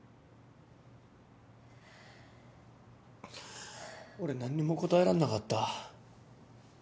俺何にも答えらんなかった。